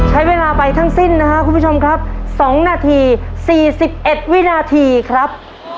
ใช้เวลาไปทั้งสิบนะคะพรุ่งคุณผู้ชมครับสองนาทีสี่สิบเอ็ดวินาทีครับ